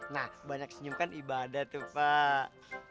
nah banyak senyum kan ibadat pak